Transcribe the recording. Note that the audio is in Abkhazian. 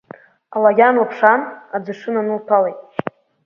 Алагьан лԥшаан, аӡыршы нанылҭәалеит.